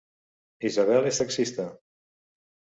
Isabel és taxista